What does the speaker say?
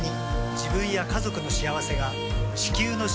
自分や家族の幸せが地球の幸せにつながっている。